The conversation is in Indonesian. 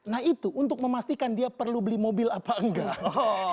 nah itu untuk memastikan dia perlu beli mobil apa enggak